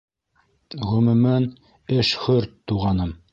Ғөмүмән, эш хөрт, туғаным.